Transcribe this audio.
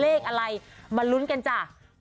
เลขอะไรมาลุ้นกันจ้ะ